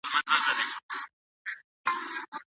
هغه کور چې جوړ شو، نوی دی.